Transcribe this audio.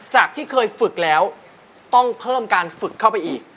จากที่เคยฝึกแล้วต้องเพิ่มการฝึกเข้าไปอีก